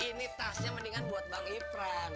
ini tasnya mendingan buat bang ipran